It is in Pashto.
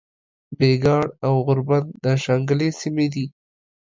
بګیاړ او غوربند د شانګلې سیمې دي